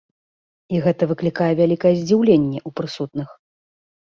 І гэта выклікае вялікае здзіўленне ў прысутных.